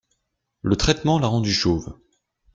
Le traitement l'a rendu chauve.